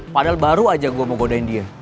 padahal baru aja gue mau godain dia